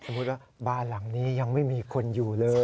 ว่าบ้านหลังนี้ยังไม่มีคนอยู่เลย